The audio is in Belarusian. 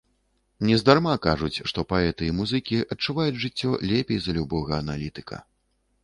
Нездарма кажуць, што паэты і музыкі адчуваюць жыццё лепей за любога аналітыка.